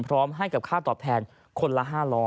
พร้อมกับค่าตอบแทนคนละ๕๐๐